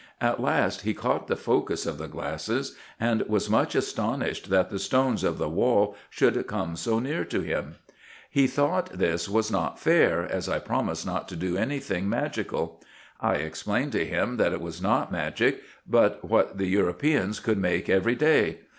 At last he caught the focus of the glasses, and was much astonished that the stones of the wall should come so near to him. He thought this was not fair, as I promised not to do any thing magical. I explained to him that it was not magic, but what the Europeans could make everyday.